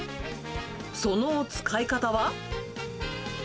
その使い方は。